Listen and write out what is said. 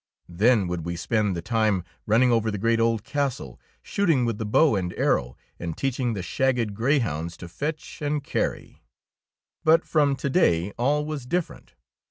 Then would we spend the 19 DEEDS OF DARING time running over the great old castle, shooting with the bow and arrow, and teaching the shagged greyhounds to fetch and carry. But from to day all was different.